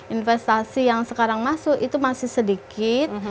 investasi yang sekarang masuk itu masih sedikit